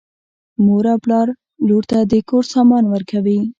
مور او پلار لور ته د کور سامان ورکوي.